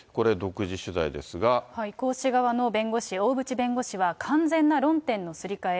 江氏側の弁護士、大渕弁護士は完全な論点のすり替え。